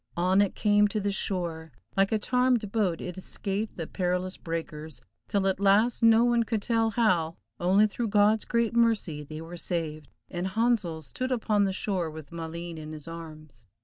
On it came to the shore, like a charmed boat it escaped the perilous breakers, till at last, no one could tell how, only through God's great mercy, they were saved, and Handsel stood upon the shore with Maleen in his arms.